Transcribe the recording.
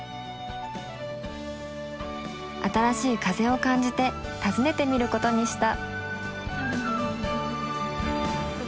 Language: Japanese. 新しい風を感じて訪ねてみることにした。